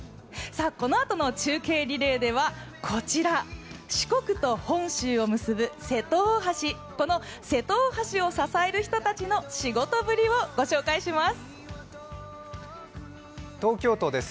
このあとの中継リレーでは四国と本州を結ぶ瀬戸大橋この瀬戸大橋を支える人たちの仕事ぶりをご紹介します。